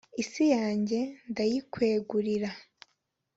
Isi yanjye ndayikwegurira